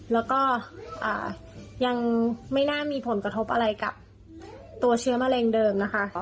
แล้วก็ยังไม่น่ามีผลกระทบอะไรกับตัวเชื้อมะเร็งเดิมนะคะ